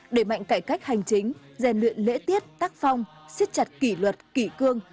đẩy mạnh cải cách hành chính rèn luyện lễ tiết tác phong siết chặt kỷ luật kỷ cương